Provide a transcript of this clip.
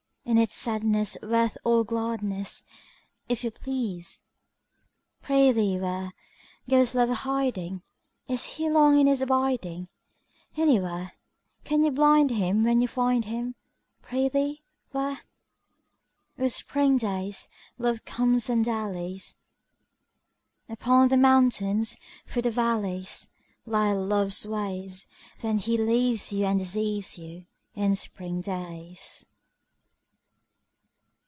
In its sadness worth all gladness, If you please! Prithee where, Goes Love a hiding? Is he long in his abiding Anywhere? Can you bind him when you find him; Prithee, where? With spring days Love comes and dallies: Upon the mountains, through the valleys Lie Love's ways. Then he leaves you and deceives you In spring days.